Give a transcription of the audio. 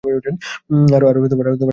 আরো হাজারটা প্রশ্ন তো আছেই।